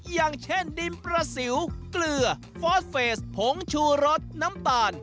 อย่างเช่นดินประสิวเกลือฟอสเฟสผงชูรสน้ำตาล